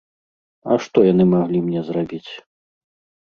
А што яны маглі мне зрабіць?